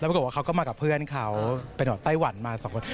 ปรากฏว่าเขาก็มากับเพื่อนเขาเป็นไต้หวันมาสองคน